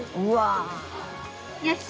よし！